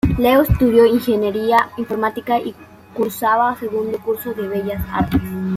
Leo estudió Ingeniería Informática y cursaba segundo curso de Bellas Artes.